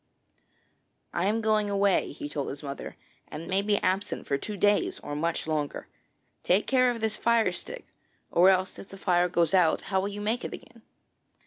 'I am going away,' he told his mother, 'and may be absent two days or much longer. Take care of this fire stick, or else if the fire goes out, how will you make it again?